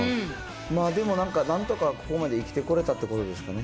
でもなんか、なんとかここまで生きてこれたってことですかね。